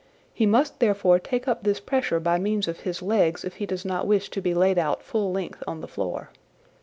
He must therefore take up this pressure by means of his legs if he does not wish to be laid out full length on the floor.